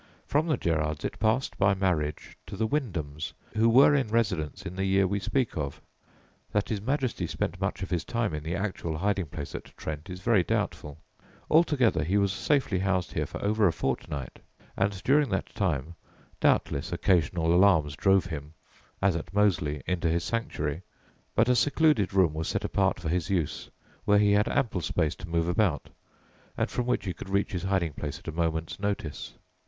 From the Gerards it passed by marriage to the Wyndhams, who were in residence in the year we speak of. That his Majesty spent much of his time in the actual hiding place at Trent is very doubtful. Altogether he was safely housed here for over a fortnight, and during that time doubtless occasional alarms drove him, as at Moseley, into his sanctuary; but a secluded room was set apart for his use, where he had ample space to move about, and from which he could reach his hiding place at a moment's notice.